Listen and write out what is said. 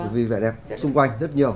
vì vẻ đẹp xung quanh rất nhiều